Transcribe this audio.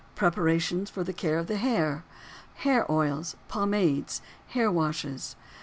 PREPARATIONS FOR THE CARE OF THE HAIR. Hair oils, pomades, hair washes.